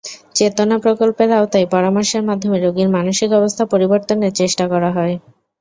চেতনা প্রকল্পের আওতায় পরামর্শের মাধ্যমে রোগীর মানসিক অবস্থা পরিবর্তনের চেষ্টা করা হয়।